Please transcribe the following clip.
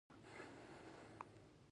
هغه یې د مالیاتو راټولولو لپاره استعمال کړ.